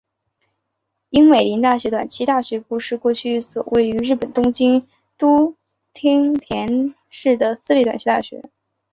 樱美林大学短期大学部是过去一所位于日本东京都町田市的私立短期大学。